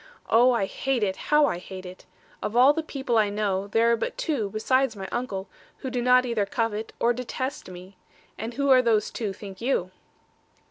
Oh, I hate it; how I hate it! Of all the people I know, there are but two, besides my uncle, who do not either covet, or detest me. And who are those two, think you?'